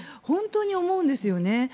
本当に思うんですよね。